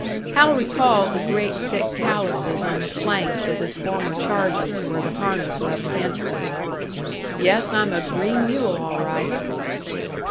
Hal recalled the great thick callouses on the flanks of his former charges, where the harness rubbed against them. "Yes, I'm a 'green mule,' all right!"